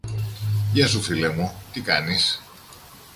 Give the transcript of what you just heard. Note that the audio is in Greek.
Γεια σου, φίλε μου, τι κάνεις;